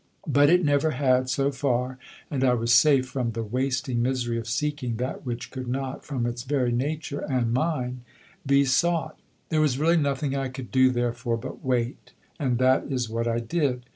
But it never had, so far, and I was safe from the wasting misery of seeking that which could not, from its very nature (and mine) be sought. There was really nothing I could do, therefore, but wait, and that is what I did.